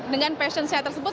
dengan passion saya tersebut